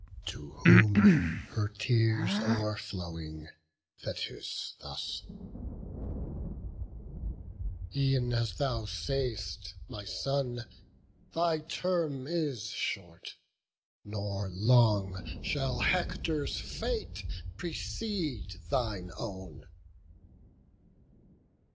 To whom, her tears o'erflowing, Thetis thus: "E'en as thou sayst, my son, thy term is short; Nor long shall Hector's fate precede thine own."